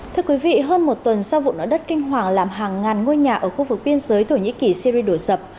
thưa quý vị hơn một tuần sau vụ nổ đất kinh hoàng làm hàng ngàn ngôi nhà ở khu vực biên giới thổ nhĩ kỳ syri đổ sập